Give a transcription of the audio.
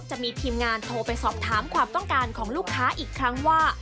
จะมีทีมงานโทรไปสอบถามความต้องการของลูกค้าอีกครั้งว่า